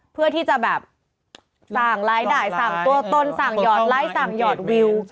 เพื่อที่จะแบบสร้างรายได้สั่งตัวตนสั่งหยอดไลค์สั่งหยอดวิว